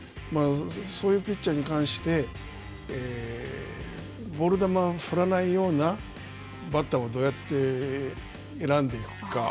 そういうピッチャーに関して、ボール球を振らないようなバッターをどうやって選んでいくか。